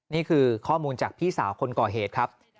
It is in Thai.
นี่คือข้อมูลจากพี่สาวคนก่อเหตุครับ